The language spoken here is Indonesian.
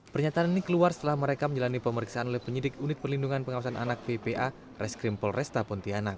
pernyataan ini keluar setelah mereka menjalani pemeriksaan oleh penyidik unit perlindungan pengawasan anak ppa reskrim polresta pontianak